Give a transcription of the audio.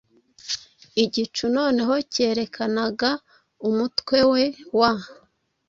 Igicu noneho cyerekanaga umutwe we wa